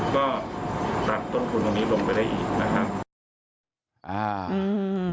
ก็ตัดต้นผลตรงนี้ลงไปได้อีกนะครับ